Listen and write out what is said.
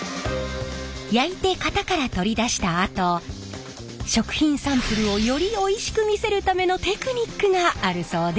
焼いて型から取り出したあと食品サンプルをよりおいしく見せるためのテクニックがあるそうで。